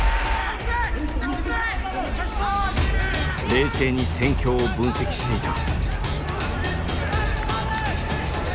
冷静に戦況を分析していた。